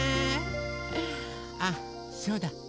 あそうだ。